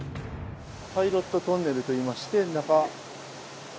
パイロットトンネルといいまして中。